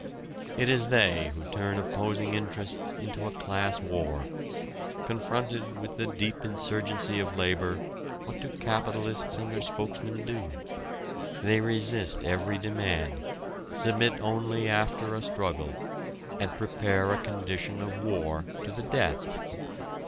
It is they who turn opposing interests into a class war. Confronted with the deep insurgency of labor what do capitalists and their spokesmen do? They resist every demand, submit only after a struggle, and prepare a condition of war to the death.